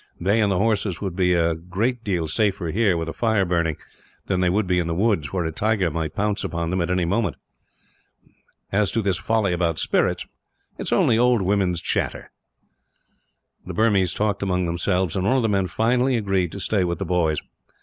They and the horses would be a great deal safer here, with a fire burning; than they would be in the woods, where a tiger might pounce upon them, at any moment. As to this folly about spirits, it is only old women's chatter." The Burmese talked among themselves, and one of the men finally agreed to stay with the boys.